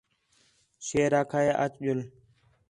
شیر آکھا ہِے اَچ ڄُل